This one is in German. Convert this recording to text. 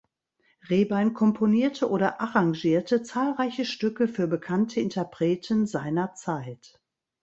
Rehbein komponierte oder arrangierte zahlreiche Stücke für bekannte Interpreten seiner Zeit.